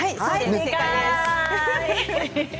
正解です。